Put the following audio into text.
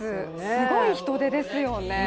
すごい人出ですよね。